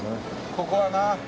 ここはな。